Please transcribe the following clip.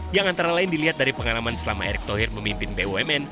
yang antara lain dilihat dari pengalaman selama erick thohir memimpin bumn